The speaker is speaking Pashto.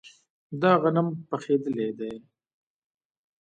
دا غنم پخیدلي دي.